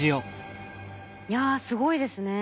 いやすごいですね。